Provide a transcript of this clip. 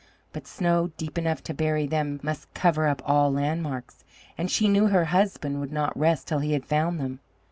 But snow deep enough to bury them must cover up all landmarks, and she knew her husband would not rest till he had found them.